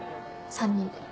３人で。